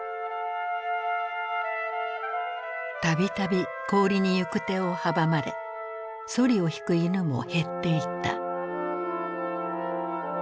度々氷に行く手を阻まれそりを引く犬も減っていった。